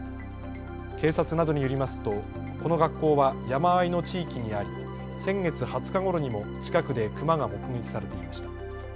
警察などによりますとこの学校は山あいの地域にあり先月２０日ごろにも近くでクマが目撃されていました。